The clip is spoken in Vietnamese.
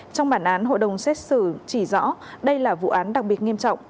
trong bản án hội đồng xét xử chỉ rõ đây là vụ án đặc biệt nghiêm trọng